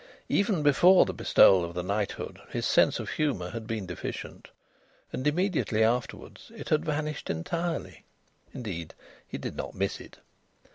Even before the bestowal of the knighthood his sense of humour had been deficient, and immediately afterwards it had vanished entirely. Indeed, he did not miss it.